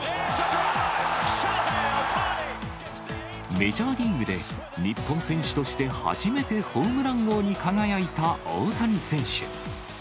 メジャーリーグで日本選手として初めてホームラン王に輝いた大谷選手。